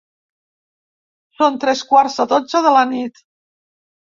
Són tres quarts de dotze de la nit.